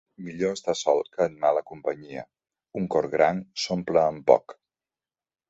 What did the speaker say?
Millor estar sol que en mala companyia. Un cor gran s'omple amb poc.